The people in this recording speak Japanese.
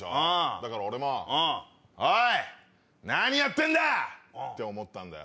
だから俺もおい何やってんだ！って思ったんだよ。